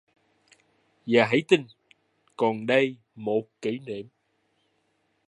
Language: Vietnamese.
Và hãy tin: còn đây một kỷ niệm